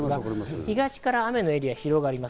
東から雨のエリアが広がります。